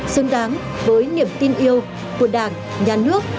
xứng đáng với niềm tin yêu của đảng nhà nước